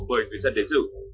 bởi người dân đến dự